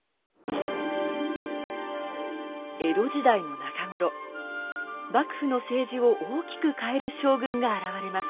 江戸時代の中頃幕府の政治を大きく変える将軍が現れます。